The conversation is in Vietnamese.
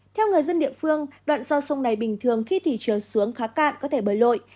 theo người dân địa phương đoạn do sông này bình thường khi thủy trường xuống khá cạn có thể bơi lội